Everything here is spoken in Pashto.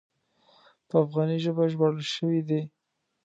په افغاني ژبه ژباړل شوی دی.